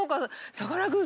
さかなクン